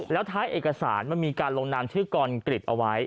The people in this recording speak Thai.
แล้วท้ายเอกสารมันมีการลงนามชื่อกรกริจเอาไว้